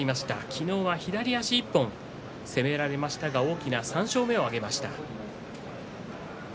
昨日、左足１本攻められましたが大きな３勝目を挙げました。